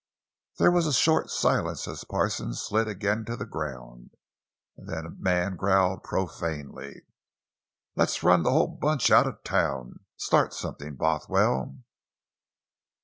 There was a short silence as Parsons slid again to the ground, and then the man growled profanely: "Let's run the whole bunch out of town! Start somethin', Bothwell!"